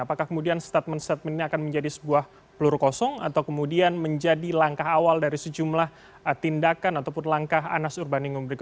apakah kemudian statement statement ini akan menjadi sebuah peluru kosong atau kemudian menjadi langkah awal dari sejumlah tindakan ataupun langkah anas urbaning